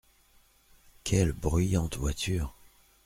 Quelles bruyantes voitures !